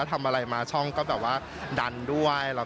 ทำอะไรมาช่องก็ดันด้วย